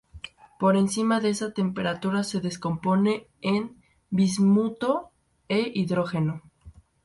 Por encima de esa temperatura se descompone en bismuto e hidrógeno.